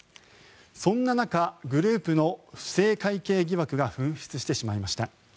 そんな中、グループの不正会計疑惑が噴出してしまいました。